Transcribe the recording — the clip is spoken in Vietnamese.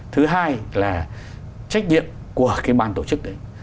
thứ hai là trách nhiệm của cái ban tổ chức đấy